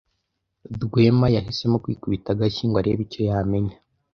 Rwema yahisemo kwikubita agashyi ngo arebe icyo yamenya.